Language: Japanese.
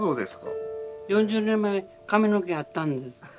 ４０年前髪の毛あったんです。